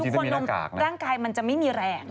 ใช่แล้วพอทุกคนตั้งกายมันจะไม่มีแรงด้วย